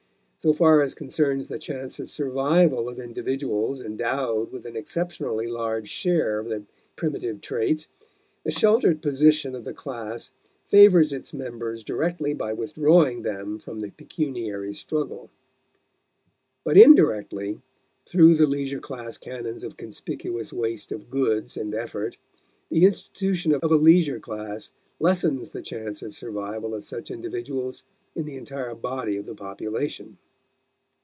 So far as concerns the chance of survival of individuals endowed with an exceptionally large share of the primitive traits, the sheltered position of the class favors its members directly by withdrawing them from the pecuniary struggle; but indirectly, through the leisure class canons of conspicuous waste of goods and effort, the institution of a leisure class lessens the chance of survival of such individuals in the entire body of the population.